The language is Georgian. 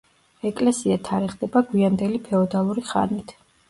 ეკლესია თარიღდება გვიანდელი ფეოდალური ხანით.